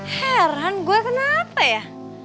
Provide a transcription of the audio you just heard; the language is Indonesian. heran gua kenapa ya